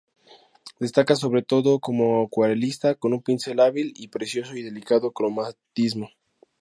Destaca sobre todo como acuarelista, con un pincel hábil y preciso y delicado cromatismo.